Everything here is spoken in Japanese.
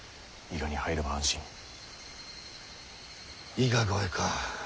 伊賀越えか。